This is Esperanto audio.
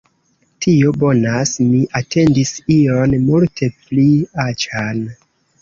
Tio bonas. Mi atendis ion multe pli aĉan